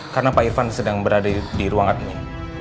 karena pak irfan sedang berada di ruang admin